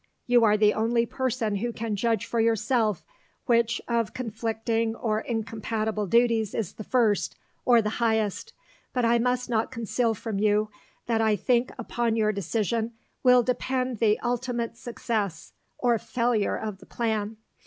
You are the only person who can judge for yourself which of conflicting or incompatible duties is the first, or the highest; but I must not conceal from you that I think upon your decision will depend the ultimate success or failure of the plan.